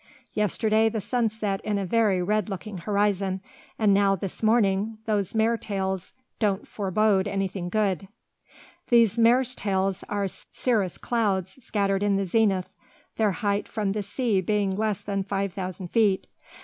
Yesterday the sun set in a very red looking horizon, and now, this morning, those mares tails don't forebode anything good." These mares tails are cirrus clouds, scattered in the zenith, their height from the sea being less than five thousand feet.